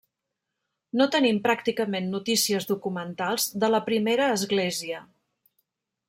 No tenim pràcticament notícies documentals de la primera església.